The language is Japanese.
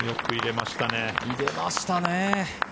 入れましたね。